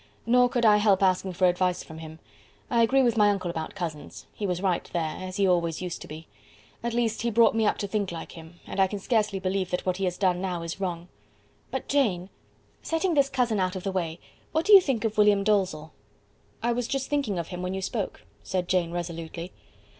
Nor could I help asking for advice from him. I agree with my uncle about cousins. He was right there, as he always used to be. At least, he brought me up to think like him, and I can scarcely believe that what he has now done is wrong." "But, Jane, setting this cousin out of the way, what do you think of William Dalzell?" "I was just thinking of him when you spoke," said Jane, resolutely.